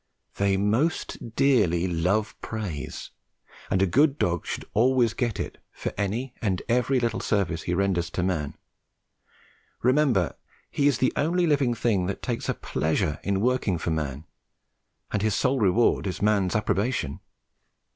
They most dearly love praise, and a good dog should always get it for any and every little service he renders to man. Remember, he is the only living thing that takes a pleasure in working for man, and his sole reward is man's approbation.